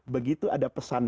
begitu ada pesan